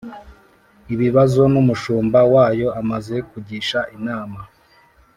ibibazo n Umushumba wayo amaze kugisha inama